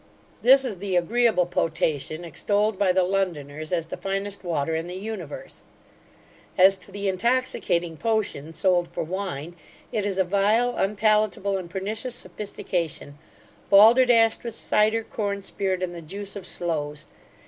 This is the agreeable potation, extolled by the Londoners, as the finest water in the universe As to the intoxicating potion, sold for wine, it is a vile, unpalatable, and pernicious sophistication, balderdashed with cyder, corn spirit, and the juice of sloes.